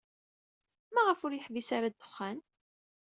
Maɣef ur yeḥbis ara ddexxan?